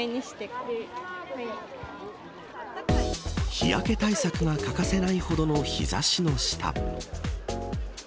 日焼け対策が欠かせないほどの日差しの下。